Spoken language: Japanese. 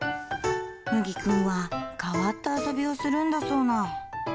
むぎくんは、変わった遊びをするんだそうな。